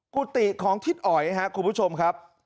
กุฏิของทิศอ๋อยครับคุณผู้ชมครับ